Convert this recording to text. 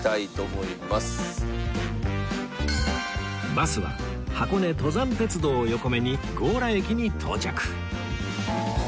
バスは箱根登山鉄道を横目に強羅駅に到着